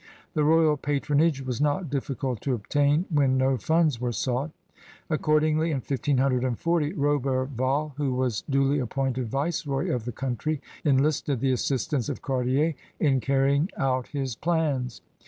The royal patronage was not difficult to obtain when no funds were sought. Accordingly in 1640 Roberval, who was duly appointed viceroy of the country, enlisted the assistance of Cartier in carrying out his plans.